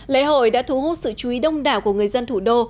lễ hội đã thu hút sự chú ý đông đảo của người dân thủ đô